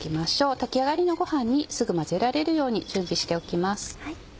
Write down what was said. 炊き上がりのご飯にすぐ混ぜられるように準備しておきます。